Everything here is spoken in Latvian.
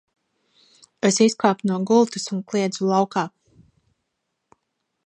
Es izkāpu no gultas un kliedzu – laukā!